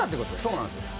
そうなんですよ。